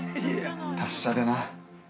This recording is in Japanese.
◆達者でな。